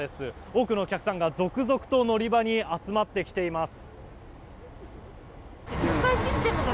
多くのお客さんが続々と乗り場に集まってきています。